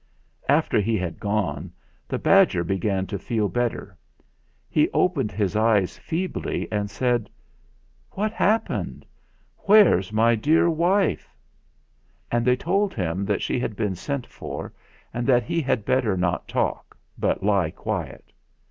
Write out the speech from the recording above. After he had gone the badger began to feel better. He opened his eyes feebly and said : "What's happened? Where's my dear wife?" And they told him that she had been sent for and that he had better not talk, but lie quiet.